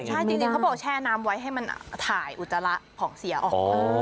ใช่จริงเขาบอกแช่น้ำไว้ให้มันถ่ายอุจจาระของเสียออก